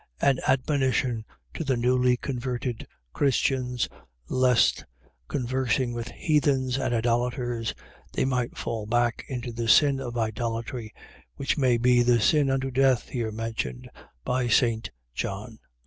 . .An admonition to the newly converted Christians, lest conversing with heathens and idolaters, they might fall back into the sin of idolatry, which may be the sin unto death here mentioned by St. John.